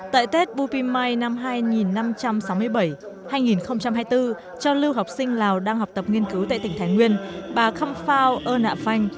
tại tết bùm pi mai năm hai nghìn sáu mươi bảy hai nghìn hai mươi bốn cho lưu học sinh lào đang học tập nghiên cứu tại tỉnh thái nguyên bà kham phao ơn tha vanh